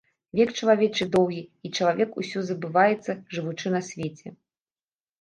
Век чалавечы доўгі, і чалавек усё забываецца, жывучы на свеце.